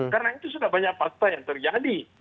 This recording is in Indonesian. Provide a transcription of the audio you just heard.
karena itu sudah banyak fakta yang terjadi